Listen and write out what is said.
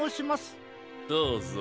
どうぞ。